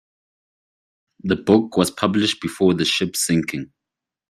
The book was published before the ship's sinking.